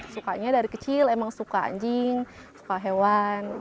sukanya dari kecil emang suka anjing suka hewan